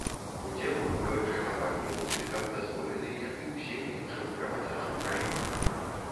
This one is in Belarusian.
Удзел у выбарчай кампаніі музыкам дазволены як і ўсім іншым грамадзянам краіны.